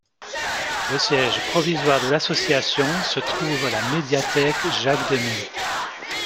Le siège provisoire de l'association se trouve à la médiathèque Jacques-Demy.